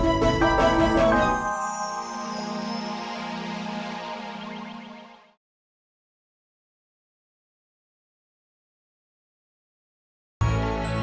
aku aku aku